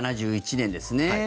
７１年ですね。